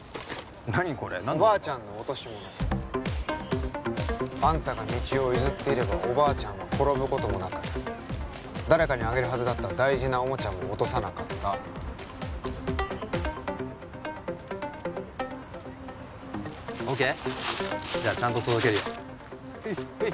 何これ何で俺がおばあちゃんの落とし物あんたが道を譲っていればおばあちゃんは転ぶこともなく誰かにあげるはずだった大事なおもちゃも落とさなかったＯＫじゃあちゃんと届けるよ